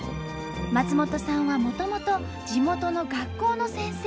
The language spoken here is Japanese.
松本さんはもともと地元の学校の先生。